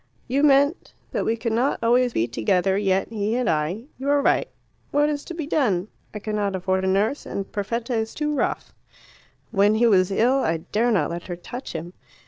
"You meant that we could not always be together yet, he and I. You are right. What is to be done? I cannot afford a nurse, and Perfetta is too rough. When he was ill I dare not let her touch him.